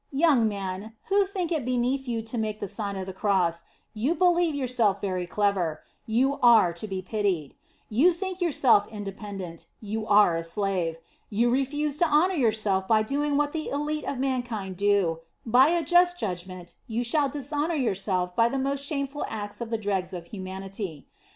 Young man, who think it beneath you to make the Sign of the Cross, you believe yourself very clever; you are to be pitied. You think yourself independent; you are a slave. You refuse to honor yourself by doing what the elite of mankind do; by a just judgment, you shall dishonor yourself by the most shameful acts of the dregs of humanity.